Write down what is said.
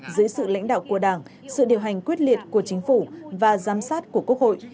dưới sự lãnh đạo của đảng sự điều hành quyết liệt của chính phủ và giám sát của quốc hội